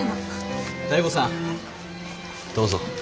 醍醐さんどうぞ。